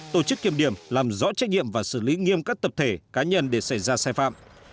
tổ chức kiểm điểm làm rõ trách nhiệm và xử lý nghiêm các tập thể cá nhân để xảy ra sai phạm